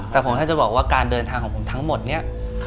แต่ผมแค่จะบอกว่าการเดินทางของผมทั้งหมดเนี่ย